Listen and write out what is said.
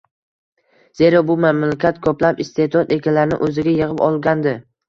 zero, bu mamlakat ko‘plab iste’dod egalarini o‘ziga yig‘ib olgandi.